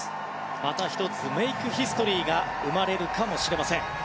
また１つメイクヒストリーが生まれるかもしれません。